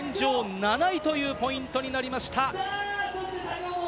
現状７位というポイントになりました。